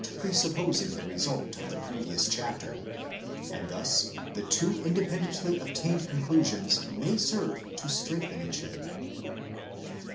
presupposing the result of the previous chapter ; and thus the two indepen dently obtained conclusions may serve to strengthen each other.